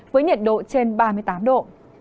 với nhiệt độ trên ba mươi tám độ